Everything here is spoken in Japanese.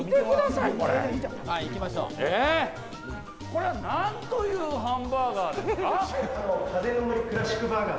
これは何というハンバーガーですか？